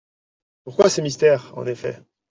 Pourquoi ce mystère, en effet ?